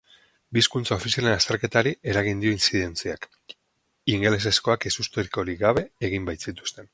Bi hizkuntza ofizialen azterketari eragin dio inzidentziak, ingelesezkoak ezustekorik gabe egin baitzituzten.